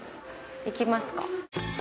行きますか。